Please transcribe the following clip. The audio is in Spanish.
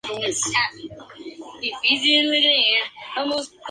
Los músicos McCandless, Towner, Moore, y Walcott formarían luego el grupo Oregón.